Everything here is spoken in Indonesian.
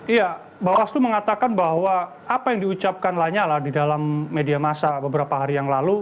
iya bawaslu mengatakan bahwa apa yang diucapkan lanyala di dalam media masa beberapa hari yang lalu